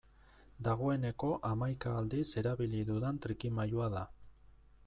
Dagoeneko hamaika aldiz erabili dudan trikimailua da.